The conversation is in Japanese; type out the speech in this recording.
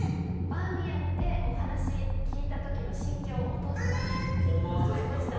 バーミヤンでお話聞いた時の心境をお父様に伺いました